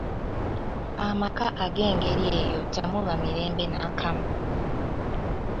Amaka ag'engeri eyo temuba mirembe n'akamu.